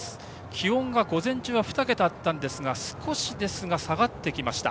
気温が午前中は２桁あったんですが少しですが下がってきました。